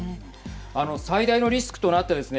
あの、最大のリスクとなったですね